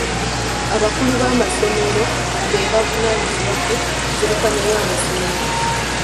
Abakulu b'amasomero be bavunaanyizibwa ku nzirukanya y'essomero.